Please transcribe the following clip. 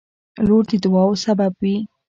• لور د دعاوو سبب وي.